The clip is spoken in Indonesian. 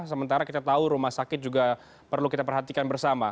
sementara kita tahu rumah sakit juga perlu kita perhatikan bersama